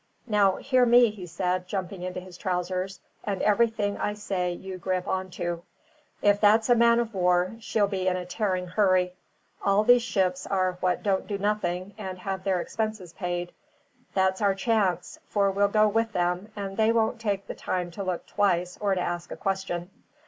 "Now hear me," he said, jumping into his trousers, "and everything I say you grip on to. If that's a man of war, she'll be in a tearing hurry; all these ships are what don't do nothing and have their expenses paid. That's our chance; for we'll go with them, and they won't take the time to look twice or to ask a question.